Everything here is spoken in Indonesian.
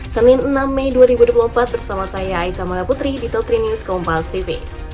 senin enam mei dua ribu dua puluh empat bersama saya aisyah mada putri di top tiga news kompastv